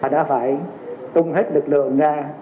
đã phải tung hết lực lượng ra